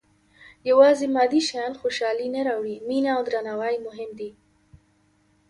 • یوازې مادي شیان خوشالي نه راوړي، مینه او درناوی مهم دي.